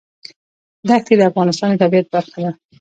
دښتې د افغانستان د طبیعت برخه ده.